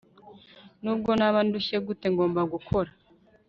nubwo naba ndushye gute, ngomba gukora